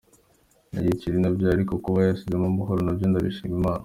Ni igikeri nabyaye, ariko kuba cyansize amahoro nabyo ndashima Imana.